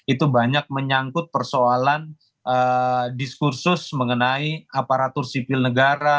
itu banyak menyangkut persoalan diskursus mengenai aparatur sipil negara